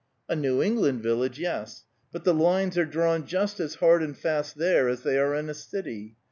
"A New England village, yes; but the lines are drawn just as hard and fast there as they are in a city.